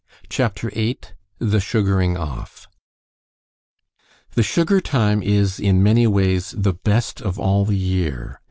CHAPTER VIII THE SUGARING OFF The sugar time is, in many ways, the best of all the year.